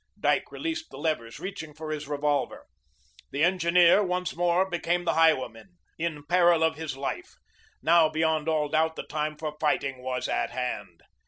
Dyke released the levers, reaching for his revolver. The engineer once more became the highwayman, in peril of his life. Now, beyond all doubt, the time for fighting was at hand.